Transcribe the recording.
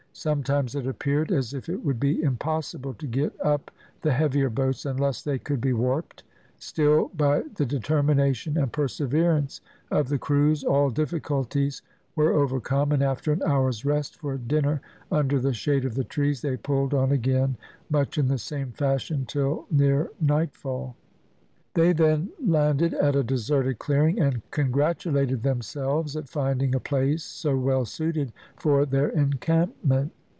Sometimes it appeared as if it would be impossible to get up the heavier boats unless they could be warped; still by the determination and perseverance of the crews all difficulties were overcome, and after an hour's rest for dinner, under the shade of the trees, they pulled on again much in the same fashion till near nightfall. They then landed at a deserted clearing, and congratulated themselves at finding a place so well suited for their encampment.